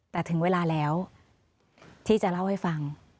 แต่ถึงเวลาแล้วที่จะเล่าให้ฟัง